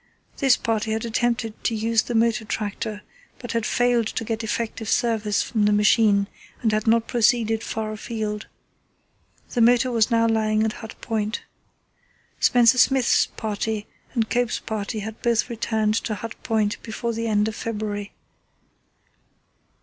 This party had attempted to use the motor tractor, but had failed to get effective service from the machine and had not proceeded far afield. The motor was now lying at Hut Point. Spencer Smith's party and Cope's party had both returned to Hut Point before the end of February.